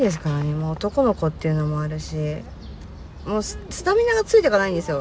もう男の子っていうのもあるしもうスタミナがついてかないんですよ。